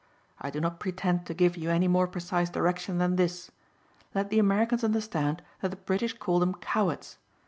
I do not pretend to give you any more precise direction than this. Let the Americans understand that the British call them cowards.